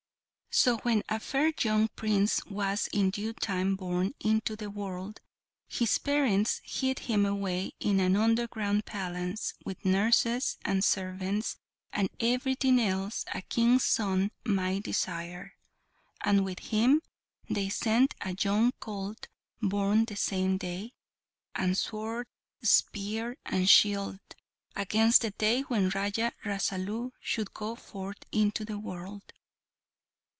So, when a fair young Prince was in due time born into the world, his parents hid him away in an underground palace, with nurses, and servants, and everything else a King's son might desire. And with him they sent a young colt, born the same day, and sword, spear, and shield, against the day when Raja Rasalu should go forth into the world.